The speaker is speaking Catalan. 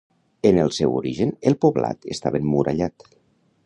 En el seu origen el poblat estava emmurallat.